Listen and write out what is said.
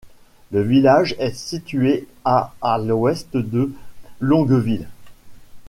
Le village est situé à à l'ouest de Longueville.